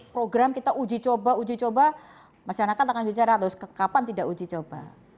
program kita uji coba uji coba masyarakat akan bicara terus kapan tidak uji coba